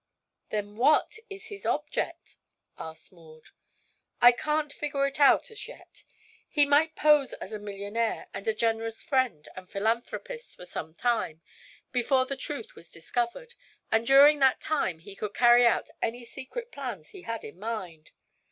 "Then what is his object?" asked Maud. "I can't figure it out, as yet. He might pose as a millionaire and a generous friend and philanthropist for some time, before the truth was discovered, and during that time he could carry out any secret plans he had in mind.